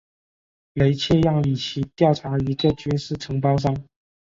雷彻让里奇调查一个军事承包商。